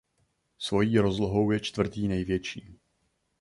Svojí rozlohou je čtvrtý největší.